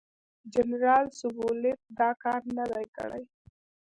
جنرال سوبولیف دا کار نه دی کړی.